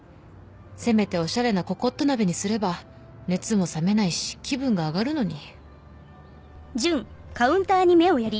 せめておしゃれなココット鍋にすれば熱も冷めないし気分が上がるのに。